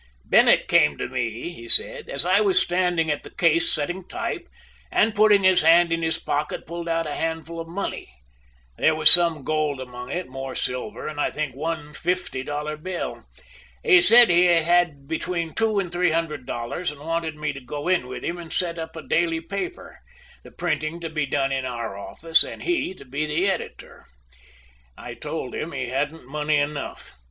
"Bennett came to me," he said, "as I was standing at the case setting type, and putting his hand in his pocket pulled out a handful of money. There was some gold among it, more silver, and I think one fifty dollar bill. He said he had between two and three hundred dollars, and wanted me to go in with him and set up a daily paper, the printing to be done in our office, and he to be the editor. "I told him he hadn't money enough.